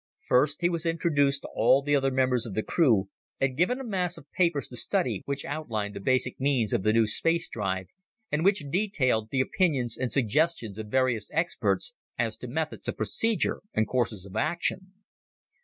First, he was introduced to all the other members of the crew, and given a mass of papers to study which outlined the basic means of the new space drive, and which detailed the opinions and suggestions of various experts as to methods of procedure and courses of action.